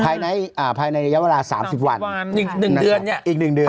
ภายในอ่าภายในระยะเวลาสามสิบวันสามสิบวันอีกหนึ่งเดือนเนี้ยอีกหนึ่งเดือน